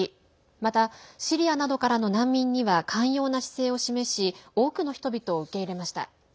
また、シリアなどからの難民には寛容な姿勢を示し多くの人々を受け入れました。